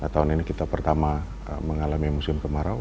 tahun ini kita pertama mengalami musim kemarau